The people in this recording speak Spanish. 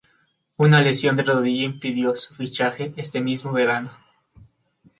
Una lesión de rodilla impidió su fichaje este mismo verano.